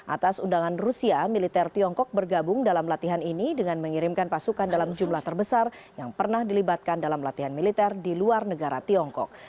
atas undangan rusia militer tiongkok bergabung dalam latihan ini dengan mengirimkan pasukan dalam jumlah terbesar yang pernah dilibatkan dalam latihan militer di luar negara tiongkok